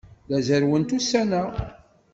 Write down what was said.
La zerrwent ussan-a.